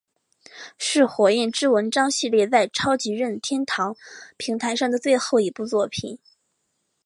是火焰之纹章系列在超级任天堂平台上的最后一部作品。